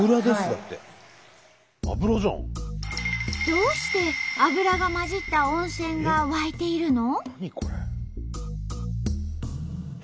どうして油がまじった温泉が湧いているの？